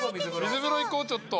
水風呂行こうちょっと。